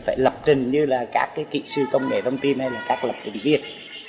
phải lập trình như là các kỹ sư công nghệ thông tin hay là các lập trình viên